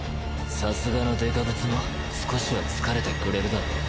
さすがのデカブツも少しは疲れてくれるだろう。